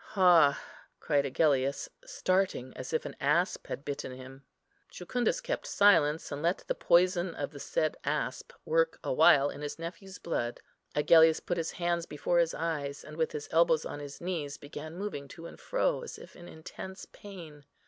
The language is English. "Ha!" cried Agellius, starting as if an asp had bitten him. Jucundus kept silence, and let the poison of the said asp work awhile in his nephew's blood. Agellius put his hands before his eyes; and with his elbows on his knees, began moving to and fro, as if in intense pain.